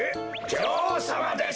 じょおうさまです！